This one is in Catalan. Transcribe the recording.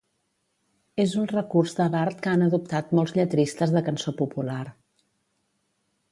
És un recurs de bard que han adoptat molts lletristes de cançó popular.